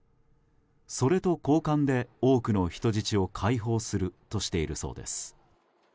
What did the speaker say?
それと交換で多くの人質を解放するとしているそうです。